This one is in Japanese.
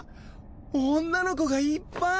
女の子がいっぱい。